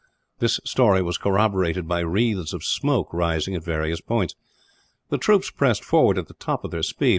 This story was corroborated by wreaths of smoke, rising at various points. The troops pressed forward at the top of their speed.